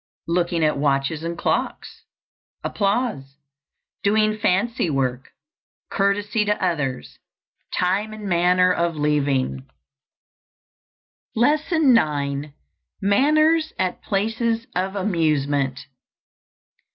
_ Looking at watches and clocks. Applause. Doing fancy work. Courtesy to others. Time and manner of leaving. LESSON IX. MANNERS AT PLACES OF AMUSEMENT.